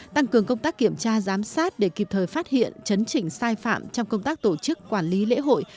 tăng cường công tác kiểm tra giám sát để kịp thời phát hiện chấn chỉnh sai phạm trong công tác tổ chức quản lý lễ hội